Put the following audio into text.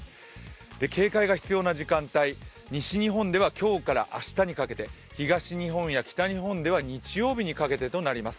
警戒が必要な時間帯、西日本では今日から明日にかけて、東日本や北日本では日曜日にかけてとなります。